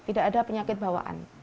tidak ada penyakit bawaan